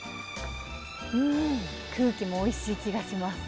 うーん、空気もおいしい気がします。